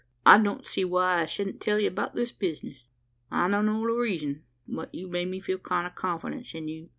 I don't see why I shedn't tell ye all about this bisness. I don know the reezun, but you've made me feel a kind o' confidence in you.